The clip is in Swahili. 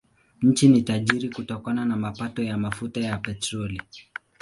Nchi ni tajiri kutokana na mapato ya mafuta ya petroli.